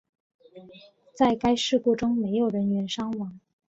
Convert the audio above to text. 在该事故中没有人员伤亡。